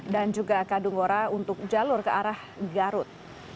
dan juga kadunggora untuk jalur ke arah garut